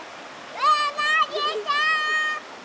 うなぎさん！